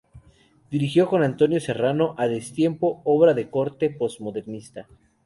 Dirigió, con Antonio Serrano, "A destiempo", obra de corte postmodernista.